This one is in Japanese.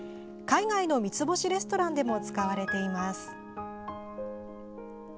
海外の三つ星レストランでも使われています。